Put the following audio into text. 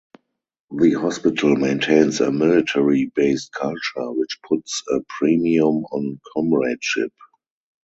The hospital maintains a 'military-based culture which puts a premium on comradeship'.